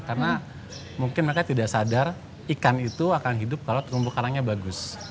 karena mungkin mereka tidak sadar ikan itu akan hidup kalau kerumbu karangnya bagus